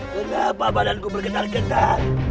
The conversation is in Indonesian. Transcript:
kenapa badanku bergedar gedar